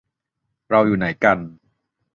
เราอยู่ไหนกัน